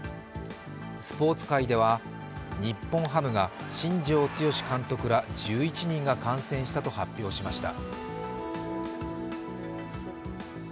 スポーツ界では日本ハムが新庄剛志監督ら１１人が感染したと発表しました。